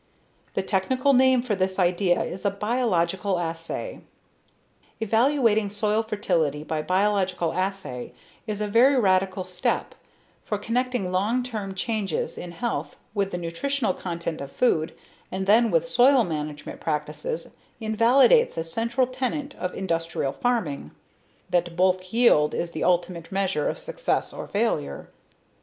The technical name for this idea is a "biological assay." Evaluating soil fertility by biological assay is a very radical step, for connecting long term changes in health with the nutritional content of food and then with soil management practices invalidates a central tenet of industrial farming: that bulk yield is the ultimate measure of success or failure.